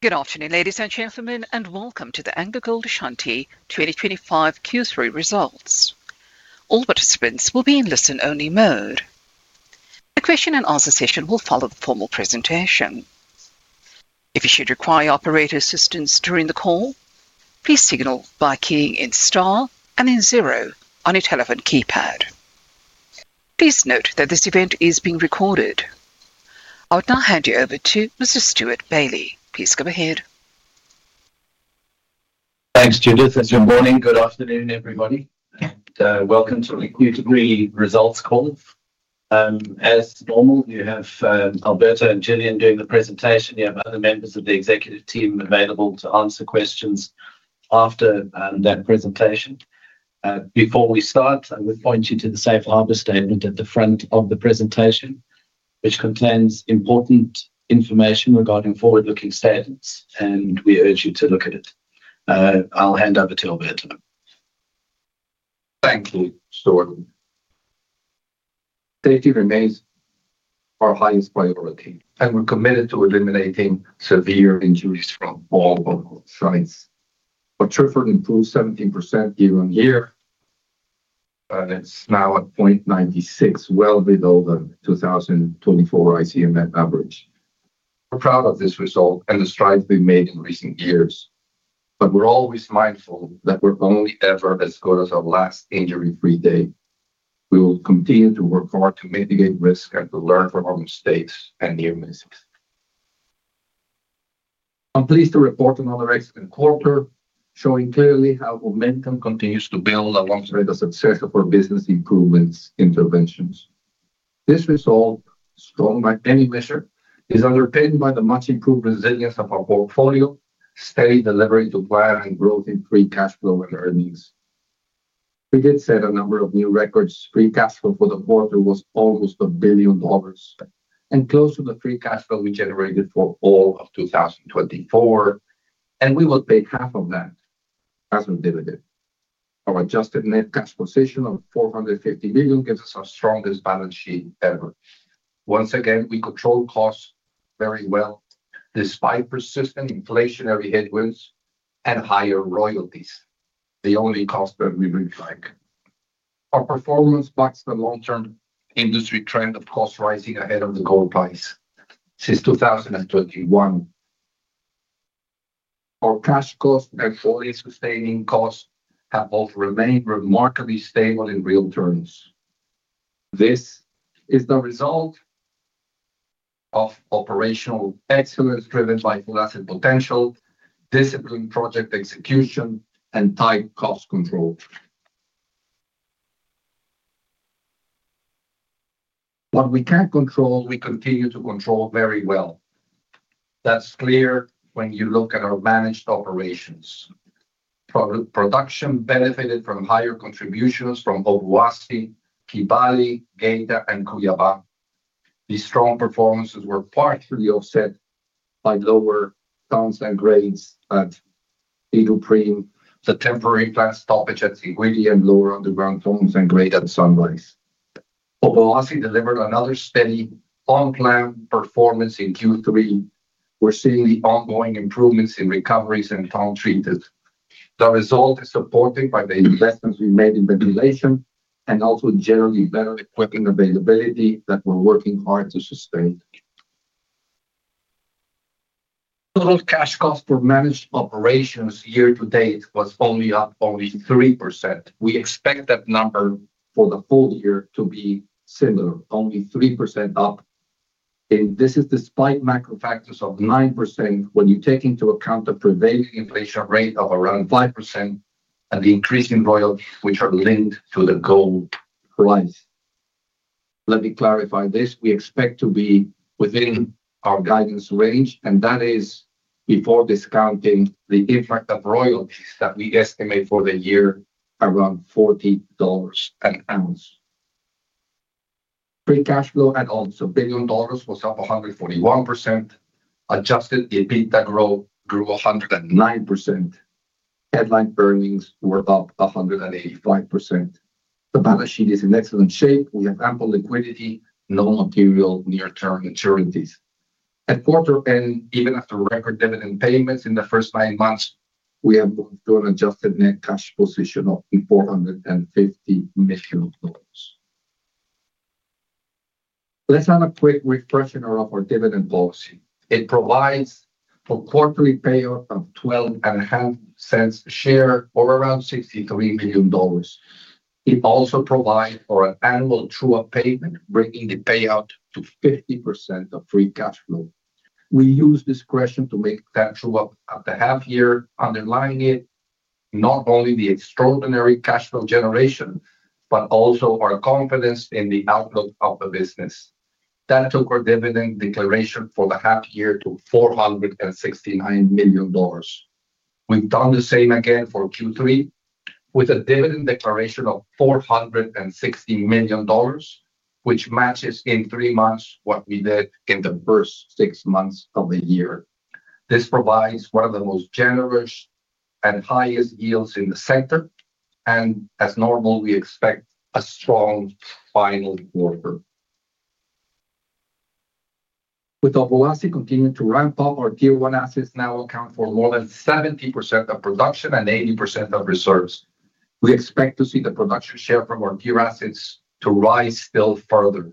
Good afternoon, ladies and gentlemen, and welcome to the AngloGold Ashanti 2025 Q3 results. All participants will be in listen-only mode. The question-and-answer session will follow the formal presentation. If you should require operator assistance during the call, please signal by keying in star and then zero on your telephone keypad. Please note that this event is being recorded. I would now hand you over to Mr. Stewart Bailey. Please go ahead. Thanks, Judith. Good morning. Good afternoon, everybody. Welcome to the Q3 results call. As normal, you have Alberto and Gillian doing the presentation. You have other members of the executive team available to answer questions after that presentation. Before we start, I would point you to the Safe Harbour statement at the front of the presentation, which contains important information regarding forward-looking statements, and we urge you to look at it. I'll hand over to Alberto. Thank you, Stewart. Safety remains our highest priority, and we're committed to eliminating severe injuries from all of our sites. Our TRIFR improved 17% year on year, and it's now at 0.96, well below the 2024 ICMM average. We're proud of this result and the strides we've made in recent years, but we're always mindful that we're only ever as good as our last injury-free day. We will continue to work hard to mitigate risk and to learn from our mistakes and near misses. I'm pleased to report another excellent quarter, showing clearly how momentum continues to build alongside the success of our business improvement interventions. This result, strong by any measure, is underpinned by the much-improved resilience of our portfolio, steady delivery to plan, and growth in free cash flow and earnings. We did set a number of new records. Free cash flow for the quarter was almost $1 billion and close to the free cash flow we generated for all of 2024, and we will take half of that as a dividend. Our adjusted net cash position of $450 million gives us our strongest balance sheet ever. Once again, we control costs very well despite persistent inflationary headwinds and higher royalties. The only cost that we really like. Our performance backs the long-term industry trend of cost rising ahead of the gold price since 2021. Our cash cost and fully sustaining cost have both remained remarkably stable in real terms. This is the result of operational excellence driven by full asset potential, disciplined project execution, and tight cost control. What we can't control, we continue to control very well. That's clear when you look at our managed operations. Production benefited from higher contributions from Obuasi, Kibali, Geita, and Cuiabá. These strong performances were partially offset by lower tonnes and grades at Iduapriem, the temporary plant stop at Tropicana, and lower underground tonnes and grade at Sunrise. Obuasi delivered another steady on-plan performance in Q3. We're seeing the ongoing improvements in recoveries and tonne treatment. The result is supported by the investments we made in ventilation and also generally better equipment availability that we're working hard to sustain. Total cash cost for managed operations year to date was only up 3%. We expect that number for the full year to be similar, only 3% up. This is despite macro factors of 9% when you take into account the prevailing inflation rate of around 5% and the increasing royalties, which are linked to the gold price. Let me clarify this. We expect to be within our guidance range, and that is before discounting the impact of royalties that we estimate for the year around $40 an ounce. Free cash flow at $1 billion was up 141%. Adjusted EBITDA growth grew 109%. Headline earnings were up 185%. The balance sheet is in excellent shape. We have ample liquidity, no material near-term maturities. At quarter end, even after record dividend payments in the first nine months, we have moved to an adjusted net cash position of $450 million. Let's have a quick refresher of our dividend policy. It provides a quarterly payout of $12.50 a share or around $63 million. It also provides for an annual true-up payment, bringing the payout to 50% of free cash flow. We use this question to make that true-up at the half year, underlying it not only the extraordinary cash flow generation, but also our confidence in the outlook of the business. That took our dividend declaration for the half year to $469 million. We've done the same again for Q3 with a dividend declaration of $460 million, which matches in three months what we did in the first six months of the year. This provides one of the most generous and highest yields in the sector, and as normal, we expect a strong final quarter. With Obuasi continuing to ramp up, our tier one assets now account for more than 70% of production and 80% of reserves. We expect to see the production share from our tier assets to rise still further.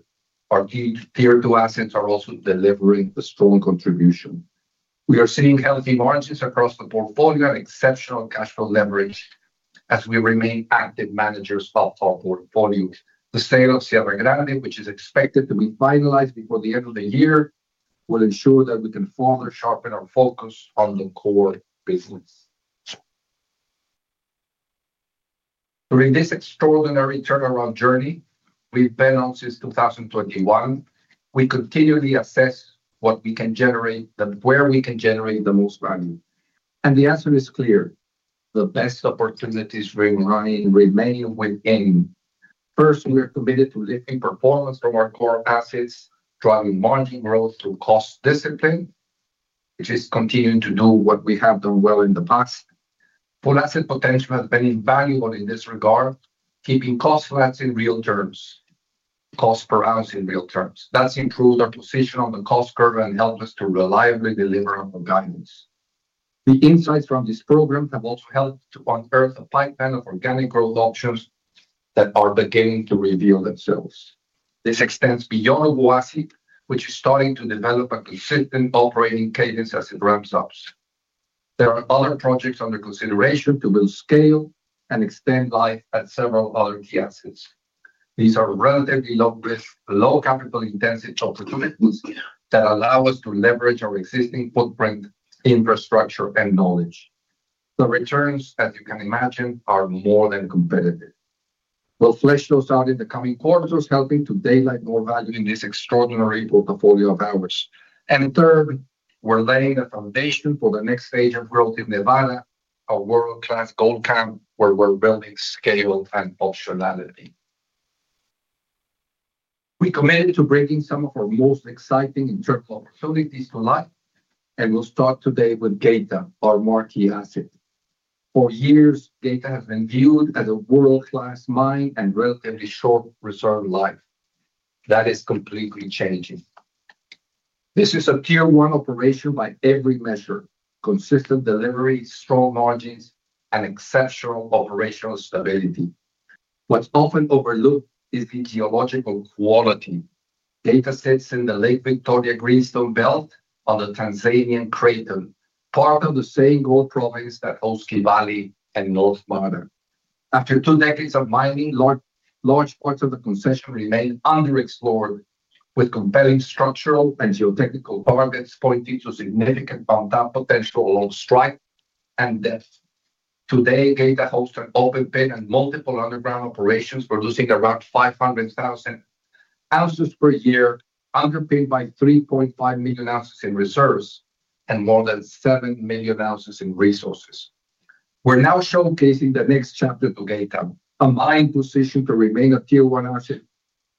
Our tier two assets are also delivering a strong contribution. We are seeing healthy margins across the portfolio and exceptional cash flow leverage as we remain active managers of our portfolio. The sale of Sierra Grande, which is expected to be finalized before the end of the year, will ensure that we can further sharpen our focus on the core business. During this extraordinary turnaround journey we have been on since 2021, we continually assess what we can generate, where we can generate the most value. The answer is clear. The best opportunities remain within. First, we are committed to lifting performance from our core assets, driving margin growth through cost discipline, which is continuing to do what we have done well in the past. Full asset potential has been invaluable in this regard, keeping cost rates in real terms, cost per ounce in real terms. That's improved our position on the cost curve and helped us to reliably deliver on our guidance. The insights from this program have also helped to unearth a pipeline of organic growth options that are beginning to reveal themselves. This extends beyond Obuasi, which is starting to develop a consistent operating cadence as it ramps up. There are other projects under consideration to build scale and extend life at several other key assets. These are relatively low-risk, low capital-intensive opportunities that allow us to leverage our existing footprint, infrastructure, and knowledge. The returns, as you can imagine, are more than competitive. We'll flesh those out in the coming quarters, helping to daylight more value in this extraordinary portfolio of ours. Third, we're laying a foundation for the next stage of growth in Nevada, a world-class gold camp where we're building scale and optionality. We committed to bringing some of our most exciting internal opportunities to life, and we'll start today with Geita, our marquee asset. For years, Geita has been viewed as a world-class mine and relatively short reserve life. That is completely changing. This is a tier one operation by every measure: consistent delivery, strong margins, and exceptional operational stability. What's often overlooked is the geological quality. Geita sits in the Lake Victoria Greenstone Belt on the Tanzanian Craton, part of the same gold province that hosts Kibali and North Bullfrog. After two decades of mining, large parts of the concession remain underexplored, with compelling structural and geotechnical targets pointing to significant downtime potential along strike and depth. Today, Geita hosts an open pit and multiple underground operations, producing around 500,000 oz per year, underpinned by 3.5 million oz in reserves and more than 7 million oz in resources. We're now showcasing the next chapter to Geita, a mine positioned to remain a tier one asset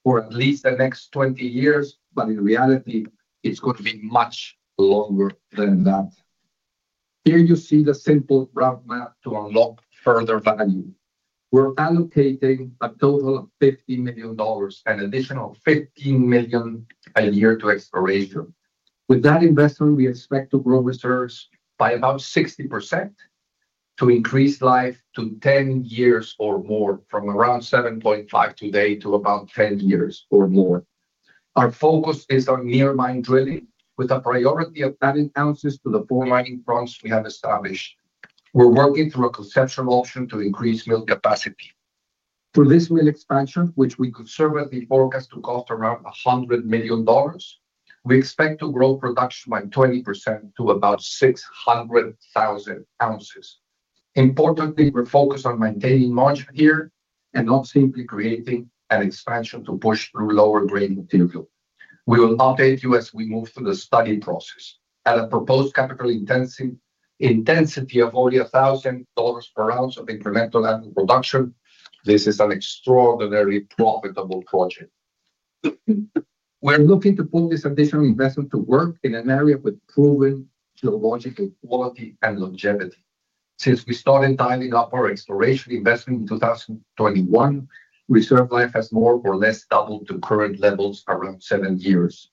for at least the next 20 years, but in reality, it's going to be much longer than that. Here you see the simple roadmap to unlock further value. We're allocating a total of $50 million and an additional $15 million a year to exploration. With that investment, we expect to grow reserves by about 60% to increase life to 10 years or more, from around 7.5 today to about 10 years or more. Our focus is on near-mine drilling, with a priority of 90 oz to the four mining fronts we have established. We're working through a conceptual option to increase mill capacity. For this mill expansion, which we conservatively forecast to cost around $100 million, we expect to grow production by 20% to about 600,000 oz. Importantly, we're focused on maintaining margin here and not simply creating an expansion to push through lower-grade material. We will update you as we move through the study process. At a proposed capital intensity of only $1,000 per ounce of incremental annual production, this is an extraordinarily profitable project. We're looking to put this additional investment to work in an area with proven geological quality and longevity. Since we started dialing up our exploration investment in 2021, reserve life has more or less doubled to current levels around seven years.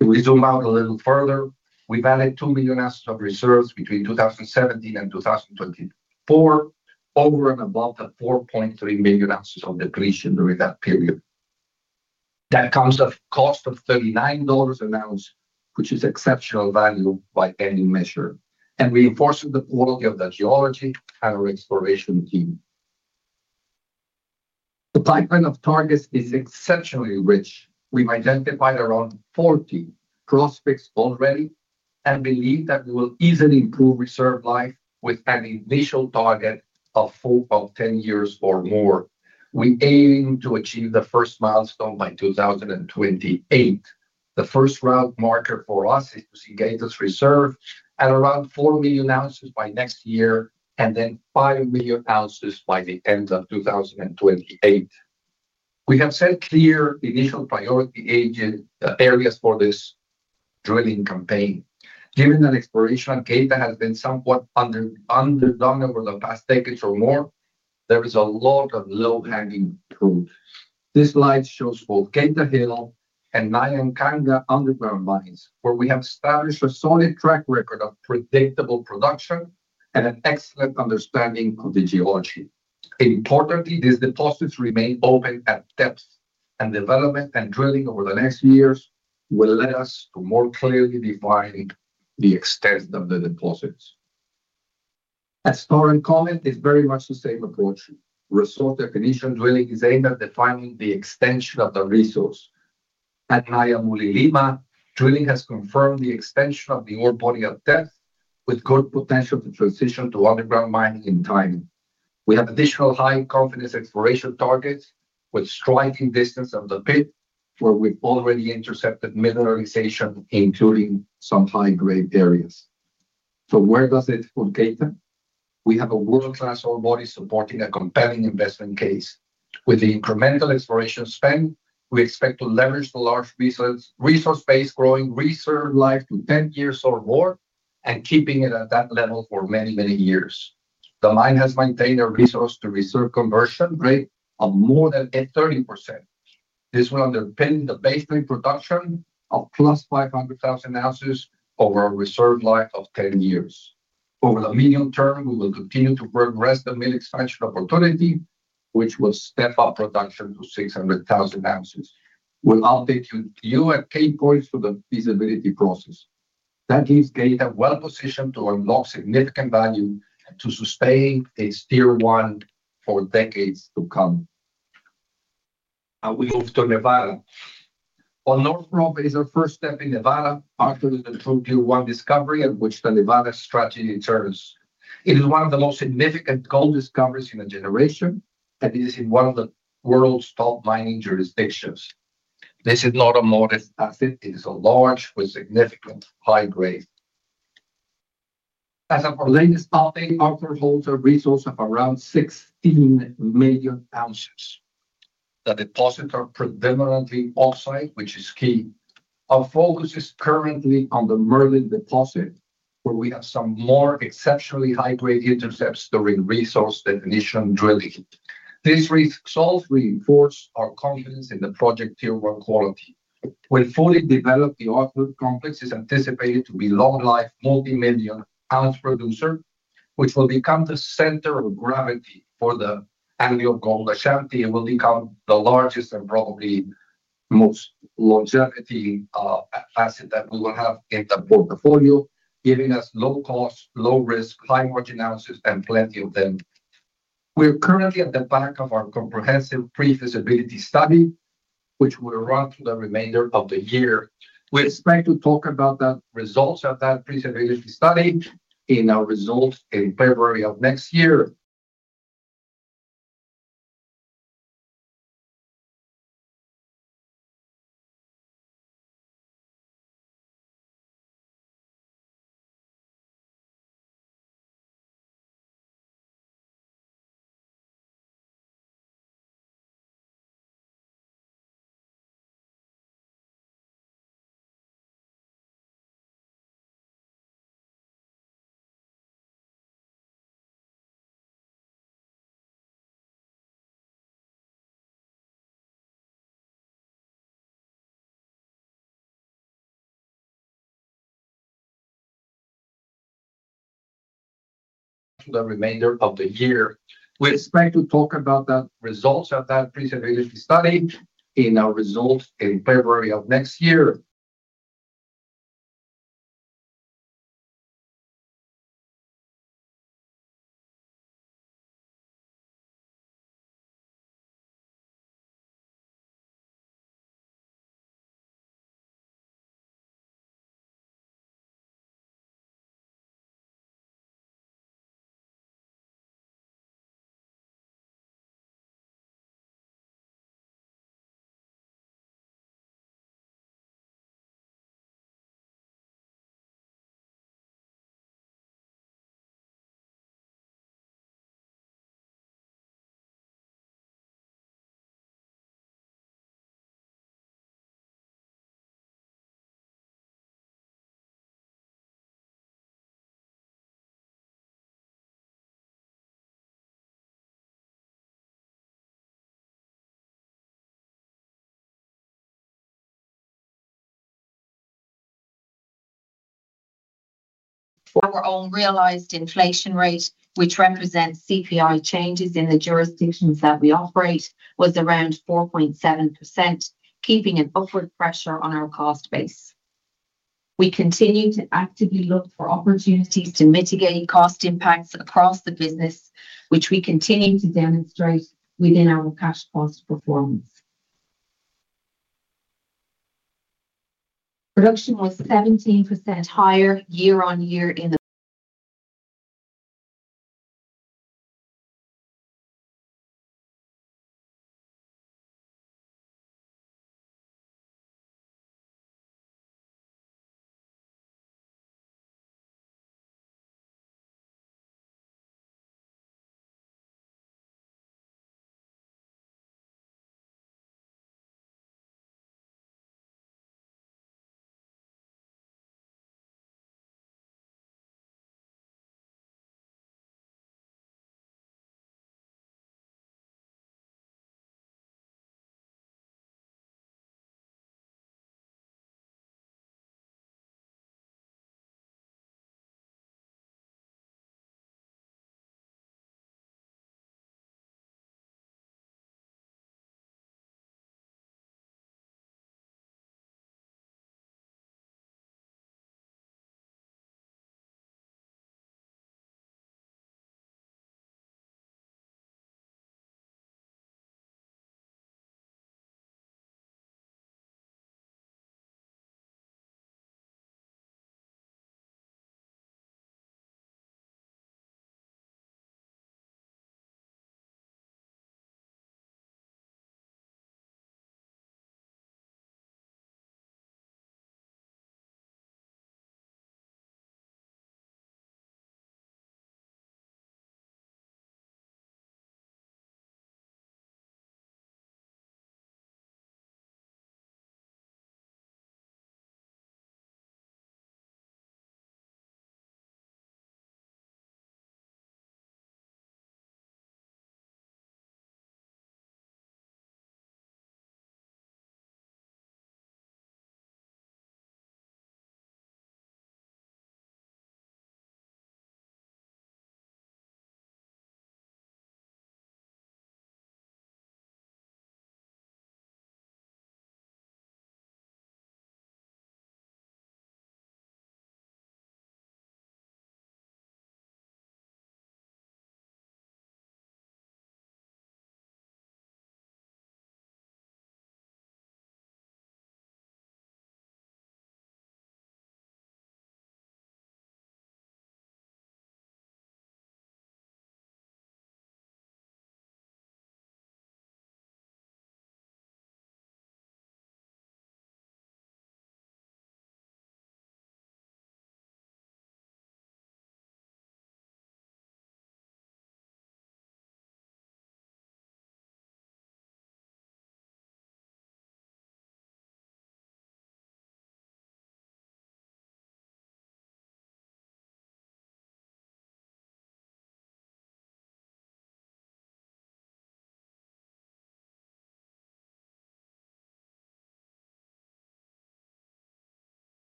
If we zoom out a little further, we've added 2 million oz of reserves between 2017 and 2024, over and above the 4.3 million oz of depletion during that period. That comes at a cost of $39 an ounce, which is exceptional value by any measure, and reinforces the quality of the geology and our exploration team. The pipeline of targets is exceptionally rich. We've identified around 40 prospects already and believe that we will easily improve reserve life with an initial target of 10 years or more. We aim to achieve the first milestone by 2028. The first route marker for us is to see Geita's reserve at around 4 million oz by next year and then 5 million oz by the end of 2028. We have set clear initial priority areas for this drilling campaign. Given that exploration at Geita has been somewhat underdone over the past decades or more, there is a lot of low-hanging fruit. This slide shows both Geita Hill and Nyankanga underground mines, where we have established a solid track record of predictable production and an excellent understanding of the geology. Importantly, these deposits remain open at depth, and development and drilling over the next years will let us more clearly define the extent of the deposits. At Star and Comet, it's very much the same approach. Resource definition drilling is aimed at defining the extension of the resource. At Nyamulilima, drilling has confirmed the extension of the ore body at depth, with good potential to transition to underground mining in time. We have additional high-confidence exploration targets within striking distance of the pit, where we've already intercepted mineralization, including some high-grade areas. Where does it fall, Geita? We have a world-class ore body supporting a compelling investment case. With the incremental exploration spend, we expect to leverage the large resource base, growing reserve life to 10 years or more and keeping it at that level for many, many years. The mine has maintained a resource-to-reserve conversion rate of more than 30%. This will underpin the baseline production of +500,000 oz over a reserve life of 10 years. Over the medium term, we will continue to progress the mill expansion opportunity, which will step up production to 600,000 oz. We'll update you at key points for the feasibility process. That leaves Geita well-positioned to unlock significant value to sustain its tier one for decades to come. Now we move to Nevada. On North Bullfrog is our first step in Nevada, part of the One discovery at which the Nevada strategy turns. It is one of the most significant gold discoveries in a generation, and it is in one of the world's top mining jurisdictions. This is not a modest asset. It is a large with significant high grade. As of our latest update, Arthur holds a resource of around 16 million oz. The deposits are predominantly off-site, which is key. Our focus is currently on the Merlin deposit, where we have some more exceptionally high-grade intercepts during resource definition drilling. These results reinforce our confidence in the project tier one quality. When fully developed, the Arthur complex is anticipated to be a long-life, multi-million ounce producer, which will become the center of gravity for AngloGold Ashanti and will become the largest and probably most longevity asset that we will have in the portfolio, giving us low cost, low risk, high margin ounces, and plenty of them. We are currently at the back of our comprehensive pre-feasibility study, which will run through the remainder of the year. We expect to talk about the results of that pre-feasibility study in our results in February of next year. The remainder of the year. We expect to talk about the results of that pre-feasibility study in our results in February of next year. For our own realized inflation rate, which represents CPI changes in the jurisdictions that we operate, was around 4.7%, keeping an upward pressure on our cost base. We continue to actively look for opportunities to mitigate cost impacts across the business, which we continue to demonstrate within our cash cost performance. Production was 17% higher year-on-year.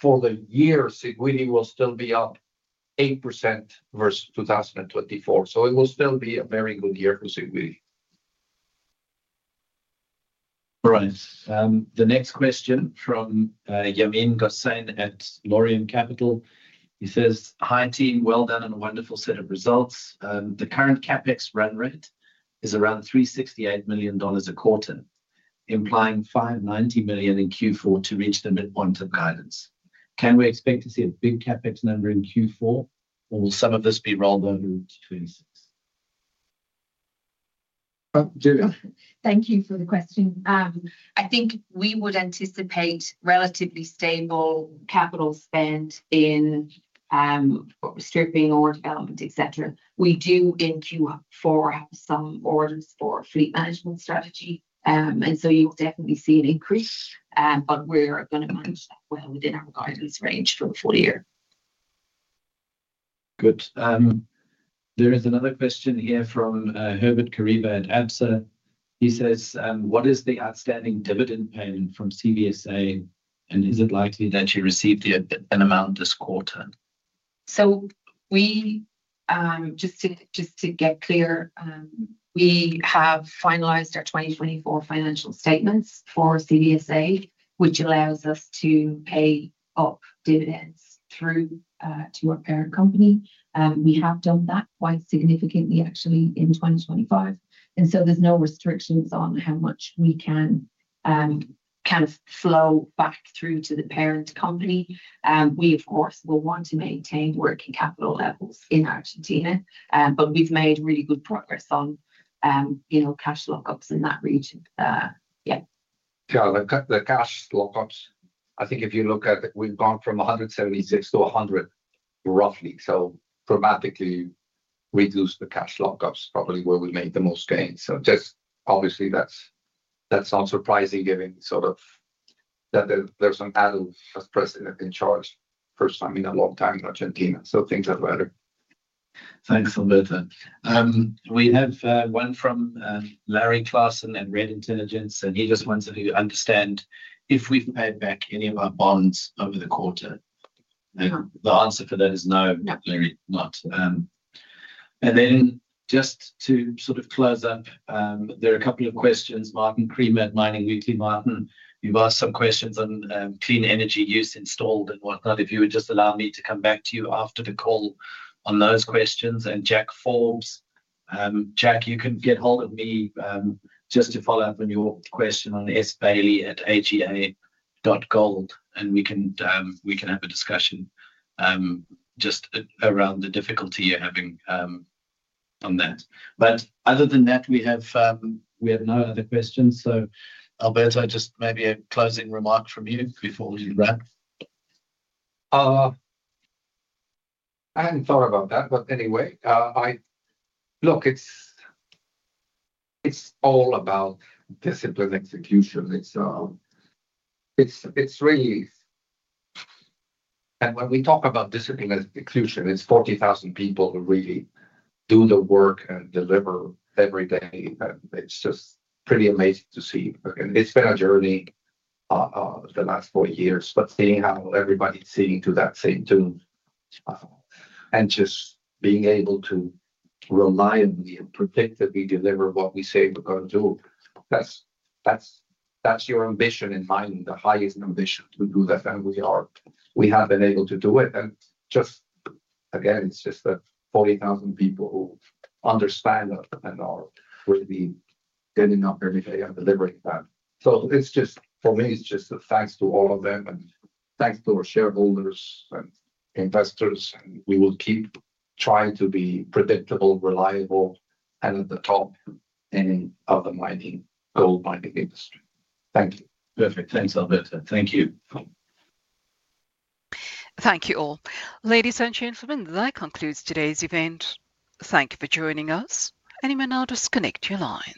For the year, Siguiri will still be up 8% versus 2024, so it will still be a very good year for Siguiri. Right, the next question from Yaameen Gosain at Laurium Capital. He says, "Hi team, well done and a wonderful set of results. The current CapEx run rate is around $368 million a quarter, implying $590 million in Q4 to reach the midpoint of guidance. Can we expect to see a big CapEx number in Q4 or will some of this be rolled over into 2026? Gillian. Thank you for the question. I think we would anticipate relatively stable capital spend in stripping or development, etc. We do in Q1 for some orders for fleet management strategy, and you will definitely see an increase, but we are going to manage that well within our guidance range for the full year. Good. There is another question here from Herbert Kharivhe at Absa. He says, "What is the outstanding dividend payment from CVSA, and is it likely that you receive an amount this quarter?" Just to get clear, we have finalized our 2024 financial statements for CVSA, which allows us to pay up dividends through to our parent company. We have done that quite significantly, actually, in 2025, and so there's no restrictions on how much we can kind of flow back through to the parent company. We, of course, will want to maintain working capital levels in Argentina, but we've made really good progress on, you know, cash lock-ups in that region. Yeah. The cash lock-ups, I think if you look at it, we've gone from $176 million to $100 million, roughly, so dramatically reduced the cash lock-ups, probably where we made the most gains. Just obviously that's not surprising given sort of that there's an adult as president in charge first time in a long time in Argentina, so things are better. Thanks, Alberto. We have one from Larry Claasen at REDD Intelligence, and he just wants to understand if we've paid back any of our bonds over the quarter. The answer for that is no, not very much. Just to sort of close up, there are a couple of questions. Martin Creamer, Mining Weekly. Martin, you've asked some questions on clean energy use installed and whatnot. If you would just allow me to come back to you after the call on those questions. Jack Forbes, Jack, you can get hold of me just to follow up on your question on sbailey@aga.gold, and we can have a discussion just around the difficulty you're having on that. Other than that, we have no other questions. Alberto, just maybe a closing remark from you before we wrap. I hadn't thought about that, but anyway, I look, it's all about discipline execution. It's really, and when we talk about discipline execution, it's 40,000 people who really do the work and deliver every day. It's just pretty amazing to see. It's been a journey the last four years, but seeing how everybody's seeing to that same tune and just being able to reliably and predictably deliver what we say we're going to do, that's your ambition in mind, the highest ambition to do that. We have been able to do it. Just again, it's the 40,000 people who understand that and are really getting up every day and delivering that. For me, it's just thanks to all of them and thanks to our shareholders and investors, and we will keep trying to be predictable, reliable, and at the top end of the gold mining industry. Thank you. Perfect. Thanks, Alberto. Thank you. Thank you all. Ladies and gentlemen, that concludes today's event. Thank you for joining us. Anyone else, just connect your line.